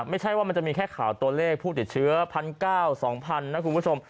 ไม่ใช่ว่ามันจะมีแค่ข่าวตัวเลขผู้ติดเชื้อ๑๙๐๐๒๐๐นะคุณผู้ชม